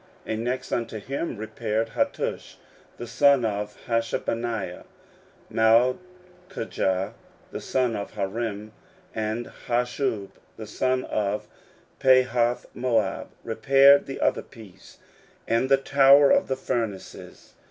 And next unto him repaired Hattush the son of Hashabniah. 16:003:011 Malchijah the son of Harim, and Hashub the son of Pahathmoab, repaired the other piece, and the tower of the furnaces.